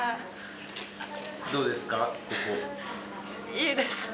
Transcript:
いいです。